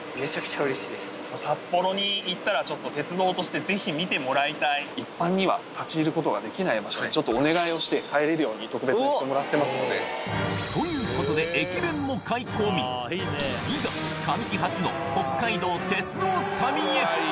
札幌に行ったら、ちょっと、鉄道としてぜひ見てもらいたい、一般には立ち入ることができない場所に、ちょっとお願いをして入れるように特別にしてもらってますので。ということで、駅弁も買い込み、いざ、神木初の北海道鉄道旅へ。